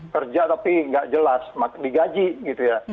kerja tapi nggak jelas digaji gitu ya